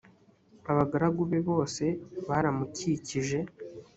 abagaragu be bose baramukikije